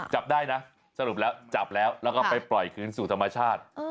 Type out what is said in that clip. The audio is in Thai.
จับได้นะสรุปแล้วจับแล้วแล้วก็ไปปล่อยคืนสู่ธรรมชาติ